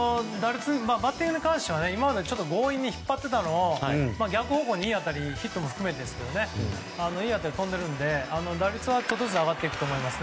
バッティングに関しては今まで強引に引っ張ってたのを逆方向にいい当たりヒットも含めていい当たり飛んでいるので打率はちょっとずつ上がっていくと思います。